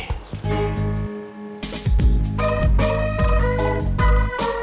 kuliah kerja nyopet